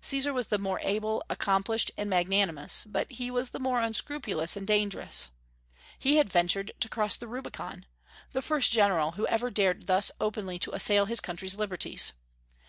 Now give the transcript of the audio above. Caesar was the more able, accomplished, and magnanimous, but he was the more unscrupulous and dangerous. He had ventured to cross the Rubicon, the first general who ever dared thus openly to assail his country's liberties.